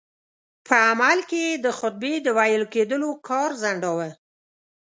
په عمل کې یې د خطبې د ویل کېدلو کار ځنډاوه.